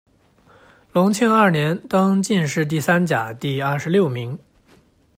隆庆二年，登进士第三甲第二十六名。